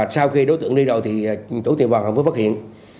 sau khi đối tượng đi rồi tổ tiên vàng hồng hà phước phát hiện